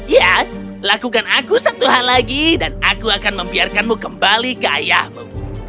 ya lakukan aku satu hal lagi dan aku akan membiarkanmu kembali ke ayahmu